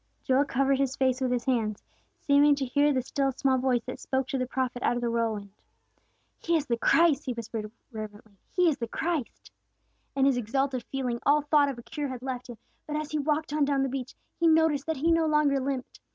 Joel covered his face with his hands, seeming to hear the still small voice that spoke to the prophet out of the whirlwind. "He is the Christ!" he whispered reverently, "He is the Christ!" In his exalted feeling all thought of a cure had left him; but as he walked on down the beach, he noticed that he no longer limped.